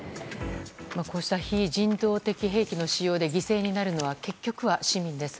非人道兵器の使用で犠牲になるのは結局は市民です。